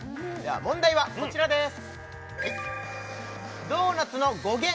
問題はこちらです